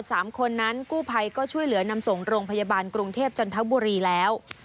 สามคนนั้นกู้ภัยก็ช่วยเหลือนำส่งโรงพยาบาลกรุงเทพจันทบุรีแล้ว